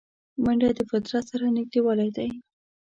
منډه د فطرت سره نږدېوالی دی